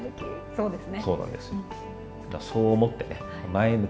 そうですね。